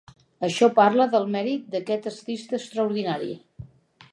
Això parla del mèrit d'aquest artista extraordinari.